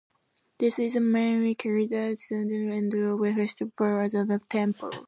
This is mainly carried out at the end of the Festival of the temple.